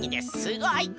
すごい！